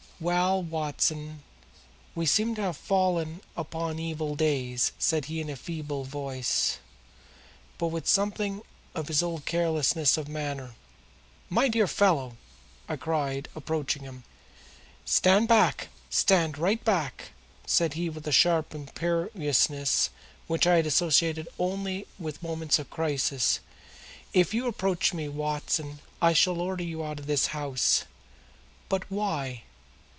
"Well, Watson, we seem to have fallen upon evil days," said he in a feeble voice, but with something of his old carelessness of manner. "My dear fellow!" I cried, approaching him. "Stand back! Stand right back!" said he with the sharp imperiousness which I had associated only with moments of crisis. "If you approach me, Watson, I shall order you out of the house." "But why?"